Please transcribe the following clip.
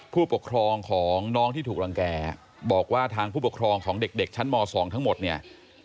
ผู้ปกครองของน้องที่ถูกรังแก่บอกว่าทางผู้ปกครองของเด็กชั้นม๒ทั้งหมดเนี่ย